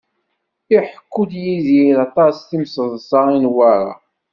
Iḥekku-d Yidir aṭas timseḍṣa i Newwara.